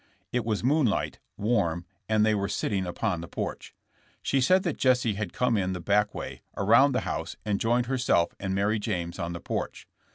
It was moonlight, warm, and they were sitting upon the porch. She said that Jesse had come in the back way, around the house, and joined herself and Mary James on the porch.